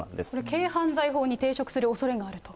軽犯罪法に抵触するおそれがあると。